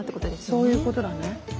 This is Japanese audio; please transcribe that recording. そういうことだね。